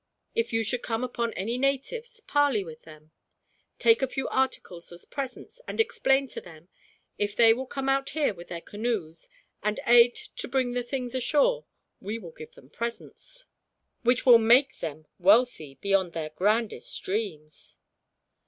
If you should come upon any natives, parley with them. Take a few articles as presents, and explain to them, if they will come out here with their canoes and aid to bring the things ashore, we will give them presents, which will make them wealthy beyond their grandest dreams.